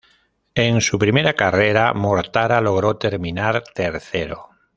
En su primera carrera, Mortara logró terminar tercero.